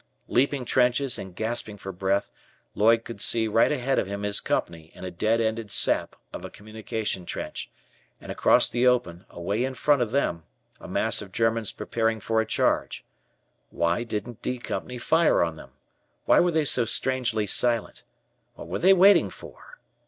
Leaping trenches, and gasping for breath, Lloyd could see right ahead of him his Company in a dead ended sap of a communication trench, and across the open, away in front of them, a mass of Germans preparing for a charge. Why didn't "D" Company fire on them? Why were they so strangely silent? What were they waiting for?